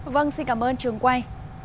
vâng xin cảm ơn trường quay